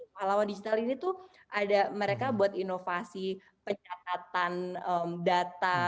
pahlawan digital ini tuh ada mereka buat inovasi pencatatan data